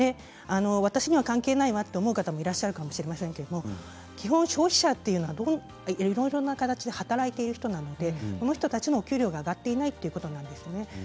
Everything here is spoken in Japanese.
私には関係ないわと思う方もいらっしゃるかもしれませんけど基本、消費者というのもいろいろな形で働いている人なのでその人たちのお給料が上がっていないということなんです。